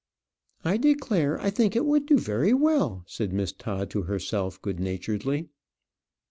"I declare I think it would do very well," said Miss Todd to herself good naturedly.